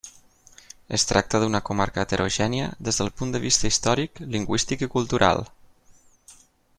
Es tracta d'una comarca heterogènia des del punt de vista històric, lingüístic i cultural.